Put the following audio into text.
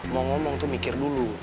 mau ngomong tuh mikir dulu